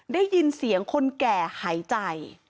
ได้ยินเสียงคนแก่หายใจ